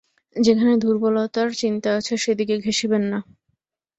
যেখানে দুর্বলতার চিন্তা আছে, সেদিকে ঘেঁষিবেন না।